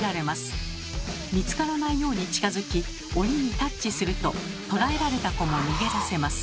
見つからないように近づき鬼にタッチすると捕らえられた子も逃げ出せます。